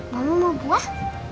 mama mau buah